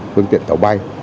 quân tuyển tạo